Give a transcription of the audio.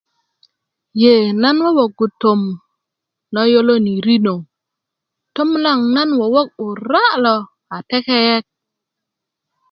yee nan wöwögu tom lo yoloni rinö tom naŋ nan wowok 'bura' lo a tekeyek